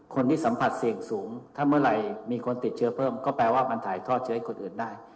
คนที่สัมผัสเสี่ยงสูงถ้าเมื่อไหร่มีคนติดเชื้อเพิ่มก็แปลว่ามันถ่ายทอดเชื้อให้คนอื่นได้